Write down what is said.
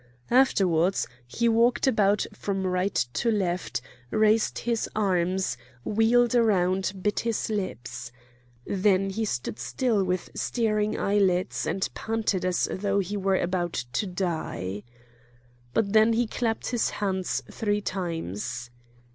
Afterwards he walked about from right to left, raised his arms, wheeled round, bit his lips. Then he stood still with staring eyelids, and panted as though he were about to die. But he clapped his hands three times.